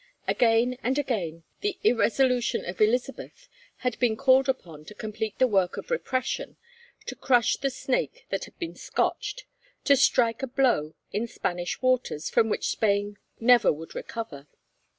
Again and again the irresolution of Elizabeth had been called upon to complete the work of repression, to crush the snake that had been scotched, to strike a blow in Spanish waters from which Spain never would recover.